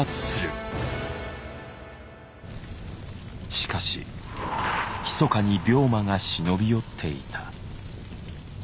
しかしひそかに病魔が忍び寄っていた。